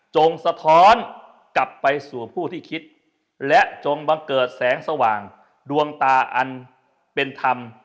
สะท้อนกลับไปสู่ผู้ที่คิดและจงบังเกิดแสงสว่างดวงตาอันเป็นธรรม